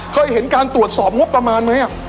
เคยเห็นการตรวจสอบงบประมาณไหม